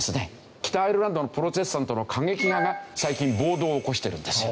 北アイルランドのプロテスタントの過激派が最近暴動を起こしてるんですよ。